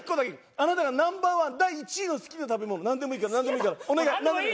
あなたがナンバーワン第１位の好きな食べ物なんでもいいからなんでもいいからお願い。